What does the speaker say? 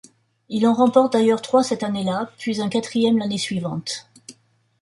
Il y en remporte d'ailleurs trois cette année-là, puis un quatrième l'année suivante.